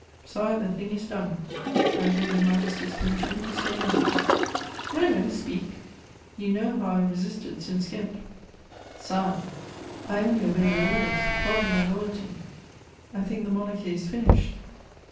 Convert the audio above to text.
"Sire, the thing is done: I beg your Majesty's permission to say nothing." "No, no, speak: you know how I resisted since Ghent." "Sire, I only obey your orders; pardon my loyalty: I think the Monarchy is finished."